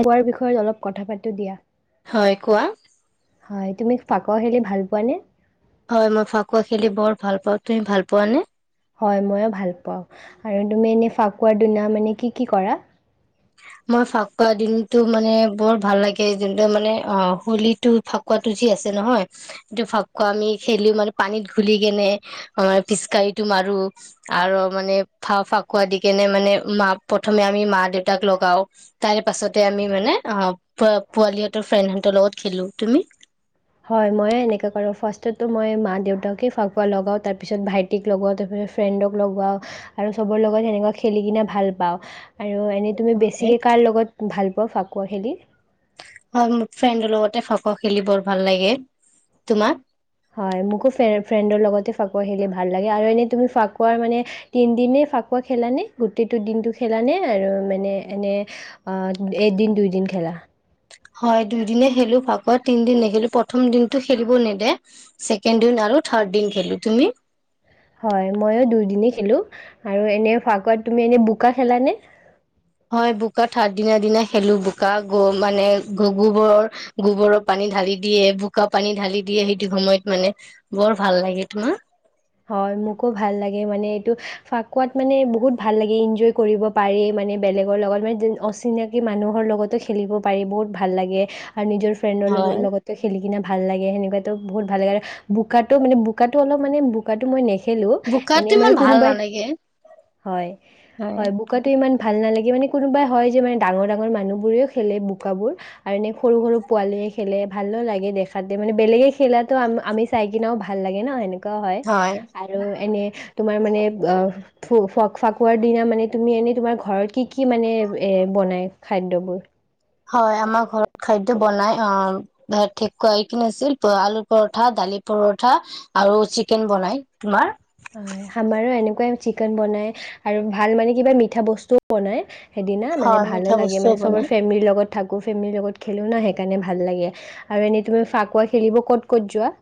আগোৱাৰ বিষয়ত অলপ কথা পাতো দিয়া হয় কোৱা হয় তুমি ফাকুৱা খেলি ভাল পোৱা নে হয় মই ফাকুৱা খেলি বৰ ভাল পাওঁ তুমি ভাল পোৱানে হয় ময়ো ভাল পাওঁ আৰু তুমি এনেই ফাকুৱাৰ দুনা মানে কি কি কৰা মই ফাকুৱা দিনতটো মানে বৰ ভাল লাগে জোনটো মানে অ হোলীটো ফাকুৱাটোঠি আছে নহয় সটো ফাকুৱা আমি খেলি মানে পানীত ঘুলি কেনে পিচকাৰিটো মাৰো আৰু মানে ফাকুৱা দি কেনে মানে মা প্ৰথমে আমি মা দেউতা তাক লগাও তাৰ পাছতে আমি মানে অ প পোৱালিহতৰ ফ্ৰেডহঁতৰ লগত খেলো তুমি হয় মইে এনেককা কৰো ফ্ৰাছত মই মা দেউতাকে ফুৱোৱা লগাওঁ তাৰ পিছত ভাইটিক লগা তাৰপিছত ফ্ৰেণ্ডক লগও আৰু চবৰ লগত সেনেকুৱা খেলি কিনে ভাল পাওঁ আৰু এনেই তুমি হয় বেছিকৈ কাৰ লগত ভাল পাওঁ ফাকুৱা কহেলি হয় মোৰ ফ্ৰেণ্ডৰ লগতে ফকুৱা' খেলি বৰ ভাল লাগে তোমাৰ হয় মোকো ফ্ৰেণ্ডৰ লগতে ফাকুৱা খেলি ভাল লাগে আৰু এনে তুমি ফাকুৱাৰ মানে তিনিদিনে ফাকুৱা খেলাানে গোটেইটো দিনটো খেলানে আৰু মানে এনে এদিন দুইদিন খেলা হয় দুদিনে খেলো ফাকুৱা তিনদিনে খেলো প্ৰথম দিনটো খেলিব নিদিয়ে ছেকেণ্ড দিন আৰু থাৰ্ড দিন খেলো তুমি হয় মইয়ো দুইদিনেই খেলো আৰু এনে ফাকুৱাত তুমি এনে বোকা খেলানে হয় বোকা থাৰ দিনা দিনা খেলো বোকা গ মানে গোবৰৰ গোবৰৰ পানী ঢালি দিয়ে বোকা পানী ঢালি দিয়ে সেইটো সময়ত মানে বৰ ভাল লাগে তোমাৰ হয় মোকো ভাল লাগে মানে এইটো ফাকুৱাত মানে বহুত ভাল লাগে এনজয় কৰিব পাৰি মানে বেলেগৰ লগত মানে অচিনাকি মানুহৰ লগতো খেলিব পাৰি বহুত ভাল লাগে আৰু নিজৰ ফ্ৰেণ্ডৰ লগ হয় লগতে খেলি কিনে ভাল লাগে সেনেকুৱাতো বহুত ভাল লাগে আৰু বোকাত মানে বোকাতটো অলপ মানে ব বুকাটো নেখে নেখেলো এনে বোকাতো মানে ইমান ভাল কোনোবাই নালাগে হয় হয় বুকাতে ইমান ভাল নালাগে মানে কোনোবাই হয় যে মানে ডাঙৰ ডাঙৰ মানুহবোৰেও খেলে বোকাবোৰ আৰু এনে সৰু সৰু পোৱালিয় খেলে ভালো লাগে দেখাতে মানে বেলেগে খেলাটো আমি চাই কিনাও ভাল লাগে ন সেনেকুৱা হয় আৰু এনে তোমাৰ মানে অঁ ফ ফ ফাকুৱাৰ দিনা মানে তুমি এনে তোমাৰ ঘৰত কি কি মানে এ বনাই খাদ্যবোৰ হয় আমাৰ ঘৰত খাদ্য বনাই আঁ আৰু কি আছিল আলু পৰঠা দালি পৰঠা আৰু চিকেন বনাই তোমাৰ হয় আমাৰো এনেকুৱাই চিকেন বনাই আৰু ভাল মানে কিবা মিঠা বস্তুও বনাই সেইদিনা মানে হয় ভালো মিঠা লাগে বস্তুও মানে বনাই চবৰ ফেমিলিৰ লগত থাকো ফেমিলিৰ লগত খেলো না সেইকাৰণে ভাল লাগে আৰু এনেই তুমি ফাকুৱা খেলিব ক'ত ক'ত যোৱা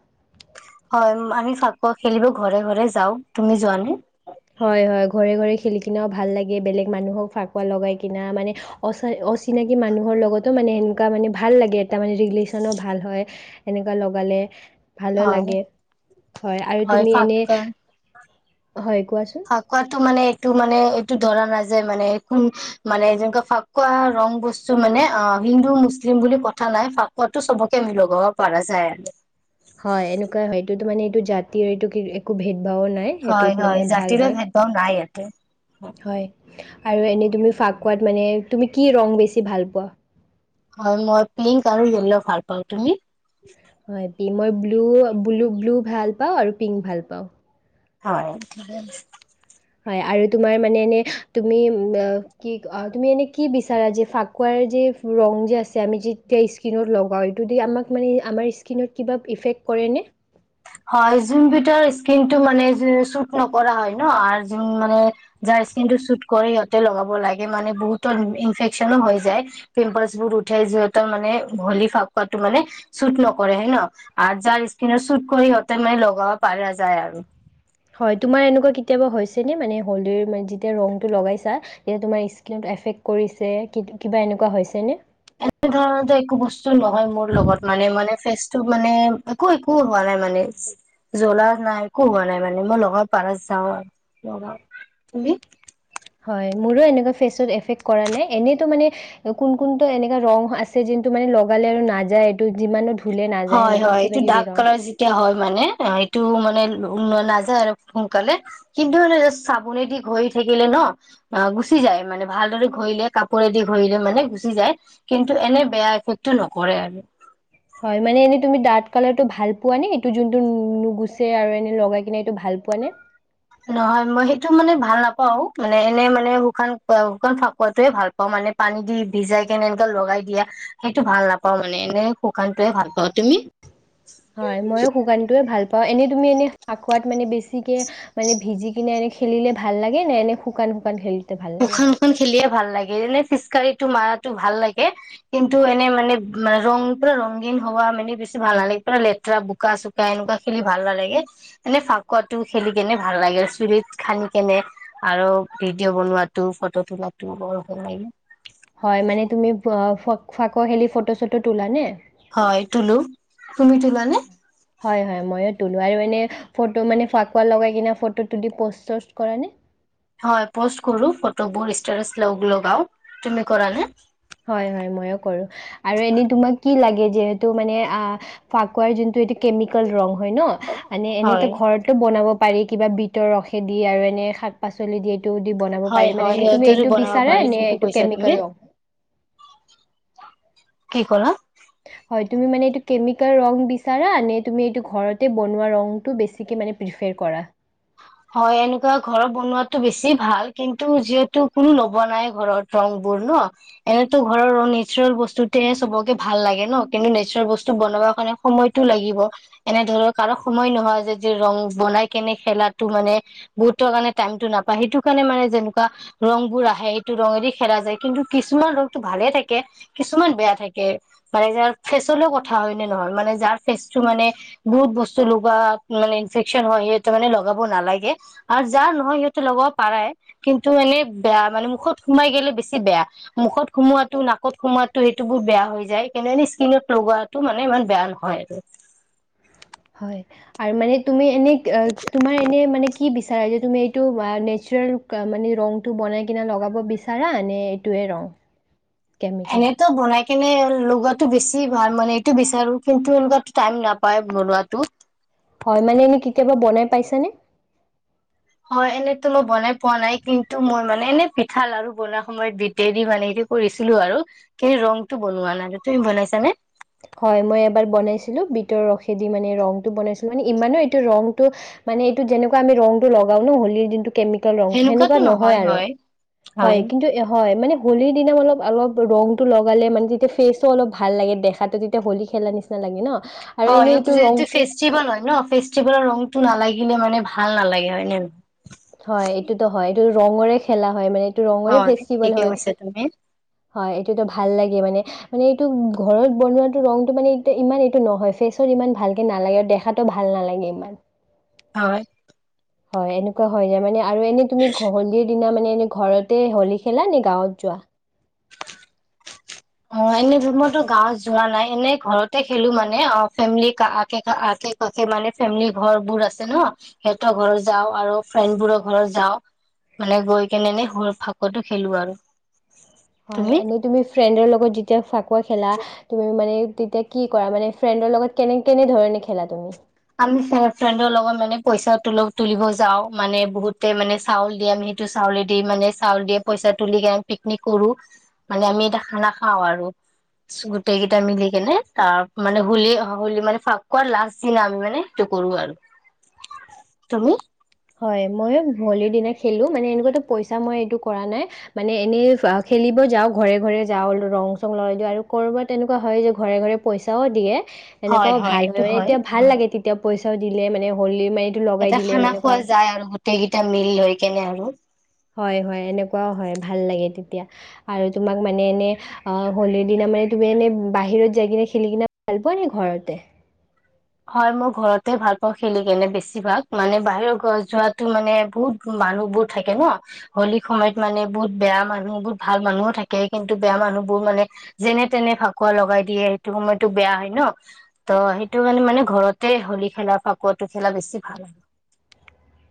হয় আমি ফাকুৱা খেলিব ঘৰে ঘৰে যাওঁ তুমি যোৱানে হয় হয় ঘৰে ঘৰে খেলি কিনাও ভাল লাগে বেলেগ মানুহক ফাকুৱা লগাই কিনা মানে অচিনাকি মানুহৰ লগতো মানে সেনেকুৱা মানে ভাল লাগে এটা মানে ৰিলেশ্যনো ভাল হয় সেনেকুৱা লগালে ভালো হয় লাগে হয় আৰু তুমি এনে হয় কোৱাচোন? ফাকুৱাটো মানে এইটো মানে এইটো ধৰা নাযায় মানেোন মানে যেনেকুৱা ফাকুৱা ৰং বস্তু মানে অ হিন্দু মুছলিম বুলি কথা নাই ফাকুৱাতটো চবকে মিলগাব পৰা যায় আৰু হয় এনেকুৱা হয়টো ত মানে এইটো জাতিৰ এইটো একো ভেদ হয় হয় জাতিৰে একদম নাই ইয়াতে হয় আৰু এনেই তুমি ফাকুৱাত মানে তুমি কি ৰং বেছি ভাল পোৱা হয় মই পিংক আৰু য়েল্লো ভাল পাওঁ তুমি হয় মই ব্ল ব্লু ভাল পাওঁ আৰু পিংক ভাল পাওঁ হয় হয় আৰু তুমাৰ মানে এনে তুমি কি কয় এনে তুমি এনে কি বিচাৰে ফাকুৱাৰ যি ৰং যে আছে যেতিয়া স্কিনত লগাও এইটো দি আমাক আমাৰ স্কিনৰ এফেক্ট কৰেনে হয় যোন বিধৰ স্কিন টো মানে শুট নকৰা হয় ন আৰু যোন মানে যাৰ স্কিন টো শুট কৰে সিহঁতে লগাব লাগে মানে বহুতৰ ইনফেকচনো হৈ যায় পিম্পলচ বোৰ উঠে যিহতৰ মানে হলি ফাকুৱটো মানে চুত নকৰে হয় ন যাৰ স্কিনৰুট চুত কৰি সিহঁতেন মানে লগাব পাৰা যায় আৰু হয় তোমাৰ এনেকুৱা কেতিয়াবা হৈছেনে মানে হোলীৰ‌ মানে যেতিয়া ৰংটো লগাইছা যেতিয়া তোমাৰ স্কিনত এফেক্ট কৰিছে কিবা এনেকুৱা হৈছেনে এনে ধৰণো একো বস্তু নহয় মোৰ লগত মানে মানে ফেচটো মানে একো একো হোৱা নাই মানে জলা নাই একো হোৱা নাই মানে মই লগৰ পাৰত যাও আৰু লগ হয় মোৰো এনেকুৱা ফেচত এফেক কৰা নাই এনেইতো মানে কোন কোনটো এনেককা ৰং আছে যোনটো মানে লগালে আৰু নাযায় এইটো যিমানো ধুলে নাযায় হয় সেনেকুৱা হয় কিবা এইটো কিবি ডাৰ্ক ৰং। কালাৰ যেতিয়া হয় মানে টো মানে নাযায় আৰু সোনকালে কিন্তু চাবোনেদি ঘৰি থাকিলে ন গুচি যায় মানে ভালদৰে ঘৰিলে কাপোৰেদি ঘৰিলে মানে গুচি যায় কিন্তু এনে বেয়া এফেক্টটো নকৰে আৰু হয়, মানে এনেই তুমি ডাৰ্ক কালাৰটো ভাল পোৱা নে এইটো যোনটো নুগুচছে আৰু এনে লগাই কি এইটো ভাল পোৱা নে নহয় মই সেইটো মানে ভাল নাপাও মানে এনে মানে শুকান শুকান ফাকুৱোৱাটোয়ে ভাল পাওঁ মানে পানী দি ভিজাই কেনে এনেকে লগাই দিয়া সেইটো ভাল নাপাও মানে এনে শুকানটোয়ে ভাল পাওঁ তুমি এনেই তুমি এনেই ফাকুৱাত মানে বেছিকে মানে ভিজি কিনে এনে খেলিলে ভাল লাগে ন এনে শুকান শুকান খেলি শুকান শুকান খেলিয়ে ভাল লাগে এনেই ফিচকাৰি মাৰাতো ভাল লাগে কিন্তু এনে মানে মানে ৰং পুৰা ৰগীন হোৱা মানে বেছি ভাল নালাগে পুৰা লেতেৰা বোকা চোকা এনেকুৱা খেলি ভাল নালাগে। এনে ফাকুৱা টো খেলি কেনে ভাল লাগে । চুলিত সানি কেনে আৰু ভিডিঅ' বনোৱাত তোৰ ফটো তোলাত ত বৰ ভাল লাগিলে হয় মানে তুমি ফক কুৱা খেলি ফটো চটো তোলা নে হয় তুলো তুমি তোলা নে হয় হয় মইও তোলো মই মানে ফাকুৱা লগাই ফটো পষ্ট কৰানে হয় পষ্ট কৰো ফটোবোৰ ষ্টাচ লগও তুমি কৰা নে হয়, হয়, ময়ো কৰোঁ আৰু এনেই তোমাক কি লাগে যিহেতু মানে অ ফাকুৱাৰ যোনটো এটো কেমিকেল ৰং হয়তো ন মানে এনেতো হয় ঘৰতো বনাব পাৰি কিবা বিটৰ ৰসে দি আৰু এনে শাক পাচলি দিয়ে তু দি বনাব হয় পাৰি হয় মানে তুমি সিহঁতেৰো এইটো বনাব বিচাৰে পাৰি নে ঠিকে এইটো কৈছা তুমি কেমিকেল ৰং কি কলা হয় তুমি মানে এইটো কেমিকেল ৰং বিচাৰা নে এইটো ঘৰতে বনোৱা ৰংটো পিফেৰ কৰা হয়, এনেকুৱা ঘৰত বনোৱাতো বেছি ভাল। কিন্তু যিহেতু কোনো লব নাই ঘৰত ৰং বোৰ ন এনেতো ঘৰৰ ৰ নেচাৰেল বস্তুতে চবকে ভাল লাগে ন কিন্তু নেচাৰেল বস্তু বনাব কাৰণে সময়তটো লাগিব। এনে ধৰক কাৰক সময় নহয় যে যে ৰং বনাই কেনে খেলাত। বুত কাৰে টাইমতটো নাপায় সেইটো কাৰণে মানে যেনেকুৱা ৰং বোৰ আহে সেইটো ৰঙেদি খেলা যায় কিন্তু কিছুমান ৰঙটো ভালে থাকে কিছুমান বেয়া থাকে, মানে যাৰ ফেচলৈ কথা হয় নে নহয় মানে যাৰ ফেচ টো মানে বহুত বস্তু লগোৱা মানে ইনফেকচন হয় সেইটো মানে লগাব নালাগে আৰু যাৰ নহয় সিহতে লগাব পাৰে, কিন্তু এনে বেয়া মানে মুখত সোমাই গলে বেছি বেয়া। মুখত সোমোৱাটো নাকত সোমোৱাটো সেইটো বোৰ বেয়া হৈ যায় এনে স্কিনত লগোৱাটো মানে ইমান বেয়া নহয় আৰু হয় আৰু মানে তুমি এনে তোমাৰ এনে মানে কি কি বিচাৰা যে তুমি এইটো নেচাৰেল মানে ৰংটো বনাই কিনে লগাব বিচাৰা নে এইটোৱে ৰং কেমিকেল? এনেতো বনাই এনে লগোৱাটো বেছি ভাল মানে এইটো বিচাৰো কিন্তু এনোকোবা টাইম নাপাই বনোৱাতো হয় মানে এনেই কেতিয়াবা বনাই পাইছানে হয়, এনেতো মই বনাই পোৱা নাই কিন্তু মই মানে এনে পিঠা লাৰু বনুৱাৰ সময়ত বিতেদি মানে এইটো কৰিছিলো আৰু কিন্তু ৰংটো বনোৱা নাই। তুমি কৰিছানে? হয় মই এবাৰ বনাইছিলো বিটৰ ৰসেদি মানে ৰংটো বনাইছিলো মানে ইমানো এইটো ৰংটো মানে এইটো যেনেকুৱা আমি ৰংটো লগাও ন হলীৰ দিনটোত কেমিকেল ৰং সেনেকুৱাতো সেনেকুৱা নহয় আৰু হয় হয় কিন্তু হয় মানে। হোলিৰ দিনা অলপ অলপ ৰং টো লগালে মানে তেতিয়া ফেচটো অলপ ভাল লাগে দেখাত। ত তেতিয়া হলী খেলা নিচিনা লাগে ন'। হয় এনেই সিহঁতে এইটো যদি ৰংটো ফেষ্টিভেল হয় ন ফেষ্টিভেলৰ ৰংটো নালাগে। দেখিলে মানে ভাল নালাগে হয় নে? হয় এইটোতো হয়। টো ৰঙৰে খেলা হয় মানে। ৰঙৰে নহয়? হয় ফেষ্টিভেল ঠিকে হয় কৈছা তুমি -হয় এইটোতো ভাল লাগে মানে। মানে এইটো ঘৰত বনোৱাটো ৰংতটো মানে এই ইমান এইটো নহয়। ফেচত ইমান ভালকে নালাগে আৰু দেখাতো ভাল নালাগে ইমান। হয়। হয় এনেকুৱা হয় যে মানে। আৰু এনে তুমি হলীৰ দিনা মানে এনে ঘৰতে হলী খেলা নে গাঁৱত যোৱা। অ এনে গাঁৱত যোৱা নাই। এনে ঘৰতে খেলো মানে অ ফেমিলি আষে কাষে মানে ফেমিলি ঘৰবোৰ আছে ন' সিহঁতৰ ঘৰত যাওঁ আৰু ফ্ৰেণ্ডবোৰৰ ঘৰত যাও মানে গৈ কেনে এনে সুৰ ফাকুৱাতো খেলো আৰু। হয় এনে তুমি ফ্ৰেণ্ডৰ লগত যেতিয়া ফাকুৱা। ফাকুৱা খেলা তুমি মানে? তেতিয়া কি কৰা মানে ফ্ৰেণ্ডৰ লগত কেনে- কেনে ধৰণে খেলা তুমি? আমি ফ্ৰেণ্ডৰ লগত মানে পইচা তুলিব যাওঁ মানে বহুতে মানে চাউল দিয়ে আমি সেইটো চাউলে দি মানে চাউল দিয়ে পইচা তুলি পিকনিক কৰো মানে আমি এটা খানা খাওঁ আৰু। গোটেইকেইটা মিলিকেনে। তাৰ মানে হোলী, হোলী মান ফাকুৱাৰ লাষ্ট দিনা আমি মানে। টো কৰো আৰু তুমি? হয় ময়ো হোলীৰ দিনা খেলো মানে এনেকুৱাতো পইচা মই এইটো কৰা নাই মানে এনেই খেলিব যাওঁ ঘৰে ঘৰে যাওঁ ৰং চং লগাই দিওঁ আৰু ক'ৰবাত এনেকুৱা হয় যে ঘৰে ঘৰে পইচাও দিয়ে। এনেকুৱাও ভাল হয় মানে এতিয়া ভাল লাগে। এতিয়া পইচাও দিলে মানে হ'লি মা এটা খানা খোৱা যায় আৰু। গোটেইকেইটা মিলি হৈ কেনে হলোঁ। হয়- হয় এনেকুৱাও হয় ভাল লাগে তেতিয়া আৰু তোমাক মানে এনে অ' হলি দিনা মানে তুমি এনে বাহিৰত যাই কিনে খেলি কিনে ভাল পোৱা নে ঘৰতে? হয় মই ঘৰতে ভাল পাওঁ। খেলি কেনে বেছিভাগ মানে বাহিৰৰ ঘৰ যোৱা মানে বহুত মানুহ বোৰ থাকে ন হলীৰ সময়ত মানে বহুত বেয়া মানুহ বহুত ভাল মানুহও থাকে। কিন্তু বেয়া মানুহ বোৰ মানে যেনে তেনে ফাকুৱা লগাই দিয়ে সেইটো সময়তো বেয়া হয় ন ত সেইটো। সেইটো মানে -মানে ঘৰতে হলী খেলা ফাকুৱাটো খেলা বেছি ভাল।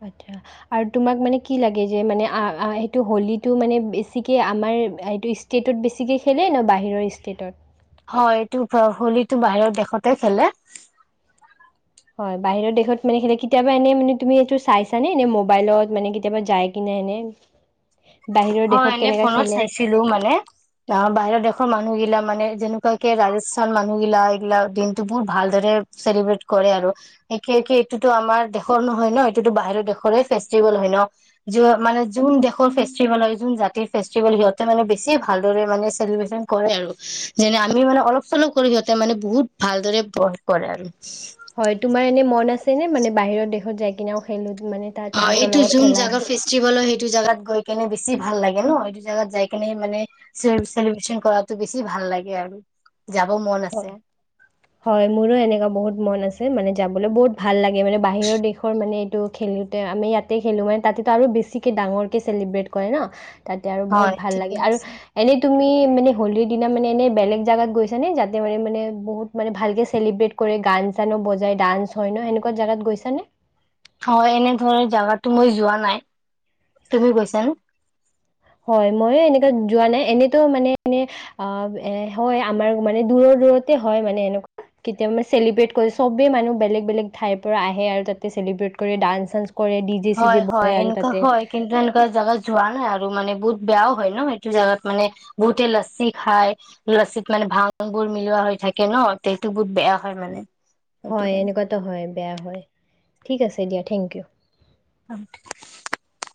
আচ্ছা আৰু তোমাক মানে কি লাগে যে মানে সেইটো হলীটো মানে বেছিকে আমাৰ ষ্টেটত বেছিকে খেলে ন বাহিৰৰ ষ্টেটত? হয় ।এইটো হোলীটো বাহিৰৰ দেশতে খেলে। হয়, বাহিৰৰ দেশত মানে কেতিয়াবা এনে মানে তুমি এইটো চাইছানে এ মবাইলত মানে কেতিয়াবা যায় কিনে এনে? বাহিৰৰ হয়, দেশত এনে কেনেকৈ ফোনত খেলে চাইছিলো মানে অ বাহিৰৰ দেশৰ মানুহগিলাক। মানে যেনেকুৱাকে ৰাজস্থান মানুহগিলা এইগিলাক দিনতটো বহু ভালদৰে চেলিব্ৰট কৰে আৰু এইটোতো আমাৰ দেশৰ নহয় ন 'এইটোতো বাহিৰৰ দেশৰে ফেষ্টিভেল হয় ন মানে যোন দেশৰ ফেষ্টিভেল হয় জাতিৰ ফেষ্টিভেল সিহঁতে মানে বেছি ভালদৰে মানে চেলিব্ৰেচন কৰে আৰু যেনে আমি মানে অলপ চলপ কৰি সিহঁতে মানে বহুত ভালদৰে কৰে আৰু। হয় তোমাৰ এনে মন আছেনে মানে বাহিৰৰ দেশত যাই কিনে খেলো। হয় এইটো যোন জোগাৰ ফেষ্টিভেল হয়। সেইটো জোগাত গৈ কেনে বেছি ভাল লাগে ন এইটো জাগাত যাই কেনে মানে চে চেলিব্ৰেশন কৰাটো বছি ভাল লাগে আৰু। যাব মন আছে হয়-হয় মোৰো এনেকুৱা বহুত মন আছে। মানে যাবলৈ বহুত ভাল লাগে মানে বাহিৰৰ দেশৰ মানে এইটো খেলোতে আমি ইয়াতে খেলো মানে তাতেতো আৰু বেছিকে ডাঙৰকে চেলিব্ৰেট কৰে ন। তাতে আৰু বহুত হয় ভাল ঠিকে লাগে আৰু আছে এনে তুমি মানে হোলীৰ দিনা মানে এনে বেলেগ জাগাত গৈছা নে যা মানে বহুত মানে ভালকে চেলিব্ৰেট কৰে গান চানো বজাই ডান্স হয় ন সেনেকুৱা জাগাত গৈছা নে? হয়, এনেধৰণৰ জাগাতো মই যোৱা নাই তুমি গৈছা নে? হয়, মই এনেকা যোৱা নাই এনেতো মানে এনে অ এ হয় আমাৰ মানে দূৰৰ-দূৰতে হয়, মানে এনেকুৱা কেতিয়াব চেলিব্ৰট কৰি চবে মানুহ বেলেগ-বেলেগ ঠাইৰ পৰা আহে আৰু তাতে চেলিব্ৰেট কৰি ডান্স চানস হয়-হয় এনেকুৱা হয় কিন্তু এনেকুৱা জাগা যোৱা নাই আৰু মানে বহুত বেয়াও হয় ন সেইটো জাগাত মানে বহুতে লচ্ছি খাই লচ্ছীিত মানে ভাংবোৰ মিলোৱা হৈ থাকে ন সেইটো বহুত বেয়া হয় মানে। সেইটো হয় কাৰণে এনেকুৱাতো হয় বেয়া হয়। ঠিক আছে দিয়া থেংক ইউ। অঠ [unintelligible]